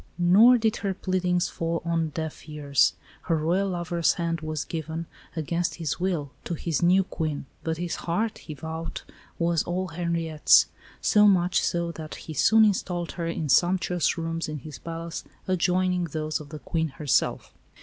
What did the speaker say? Nor did her pleadings fall on deaf ears. Her Royal lover's hand was given, against his will, to his new Queen, but his heart, he vowed, was all Henriette's so much so that he soon installed her in sumptuous rooms in his palace adjoining those of the Queen herself.